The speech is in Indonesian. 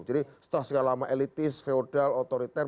jadi setelah sekalian lama elitis feudal otoriter